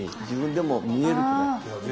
自分でも見えるくらい。